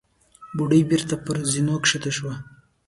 بوډۍ بېرته پر زينو کښته شوه.